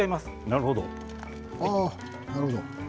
なるほど。